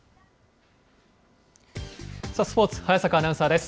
スポーツ、早坂アナウンサーです。